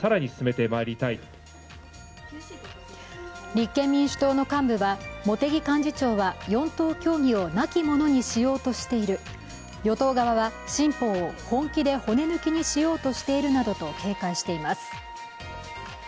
立憲民主党の幹部は茂木幹事長は４党協議をなきものにしようとしている、与党側は新法を本気で骨抜きにしようとしているなどと警戒しています。